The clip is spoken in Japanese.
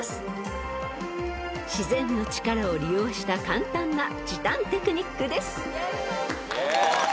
［自然の力を利用した簡単な時短テクニックです］